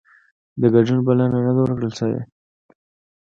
د ګډون بلنه نه ده ورکړل شوې